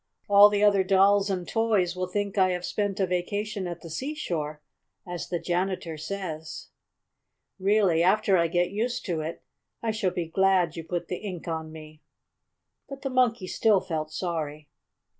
All the other dolls and toys will think I have spent a vacation at the seashore, as the janitor says. Really, after I get used to it, I shall be glad you put the ink on me." But the Monkey still felt sorry.